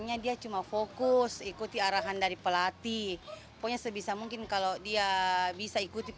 apa selalu arahannya pelatih diikuti